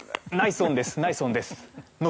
ナイスオンです。